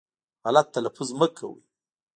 غلط تلفظ مه کوی